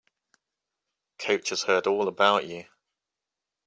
Coach has heard all about you.